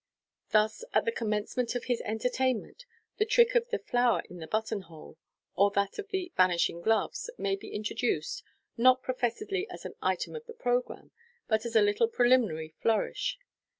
Thus at the commencement of his entertainment, the trick of the " Flower in the Button hole," or that of the " Vanishing Gloves " may be intro duced— not professedly as an item of the programme, but as a little preliminary flourish.